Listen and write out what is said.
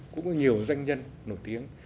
cũng có nhiều doanh nhân nổi tiếng